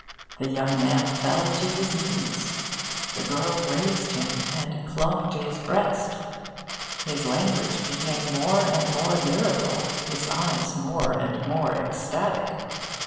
The young man fell to his knees; the girl raised him, and clung to his breast. His language became more and more lyrical, his eyes more and more ecstatic.